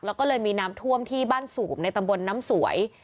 แล้วก็เลยมีน้ำท่วมที่บ้านสูบในตำบลน้ำสวย